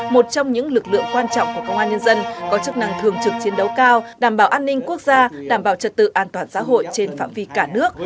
một trong những lực lượng quan trọng của công an nhân dân có chức năng thường trực chiến đấu cao đảm bảo an ninh quốc gia đảm bảo trật tự an toàn xã hội trên phạm vi cả nước